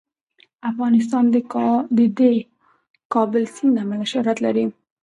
افغانستان د د کابل سیند له امله شهرت لري.